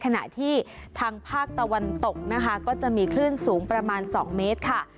ขณะที่ทางภาคตะวันตกนะคะก็จะมีคลื่นสูงประมาณ๒เมตรค่ะ